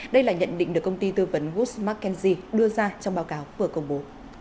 đây là nhận định được công ty tư vấn woods mckenzie đưa ra trong báo cáo vừa công bố